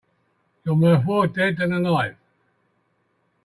You're worth more dead than alive.